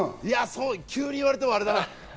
急に言われてもあれだな。